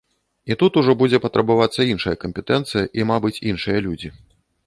І тут ужо будзе патрабавацца іншая кампетэнцыя, і, мабыць, іншыя людзі.